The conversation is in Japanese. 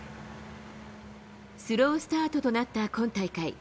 スロースタートとなった今大会。